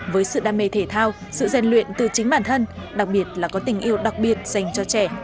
với sự đam mê thể thao sự gian luyện từ chính bản thân đặc biệt là có tình yêu đặc biệt dành cho trẻ